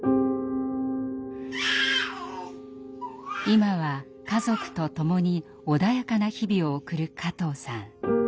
今は家族と共に穏やかな日々を送る加藤さん。